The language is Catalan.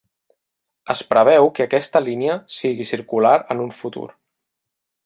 Es preveu que aquesta línia sigui circular en un futur.